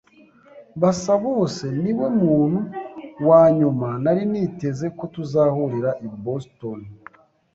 Basabose niwe muntu wa nyuma nari niteze ko tuzahurira i Boston.